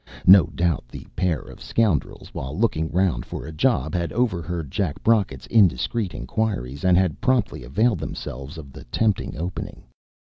No doubt the pair of scoundrels, while looking round for a job, had overheard Jack Brocket's indiscreet inquiries, and had promptly availed themselves of the tempting opening.